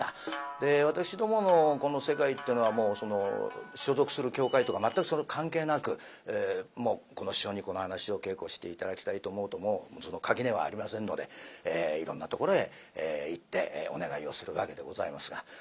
で私どものこの世界ってのはもうその所属する協会とか全く関係なくこの師匠にこの噺を稽古して頂きたいと思うともう垣根はありませんのでいろんなところへ行ってお願いをするわけでございますが。